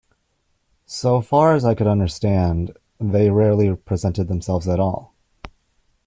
So far as I could understand, they rarely presented themselves at all.